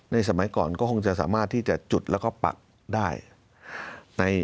สมัยก่อนก็คงจะสามารถที่จะจุดแล้วก็ปักได้